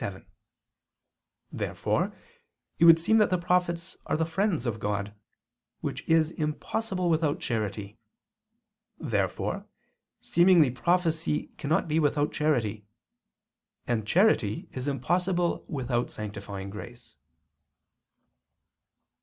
Therefore it would seem that the prophets are the friends of God; which is impossible without charity. Therefore seemingly prophecy cannot be without charity; and charity is impossible without sanctifying grace.